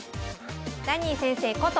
ダニー先生こと